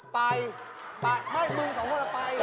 ไปไม่มึงสองคนไป